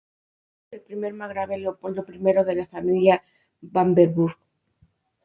Fue hijo del primer margrave Leopoldo I de la familia Babenberg.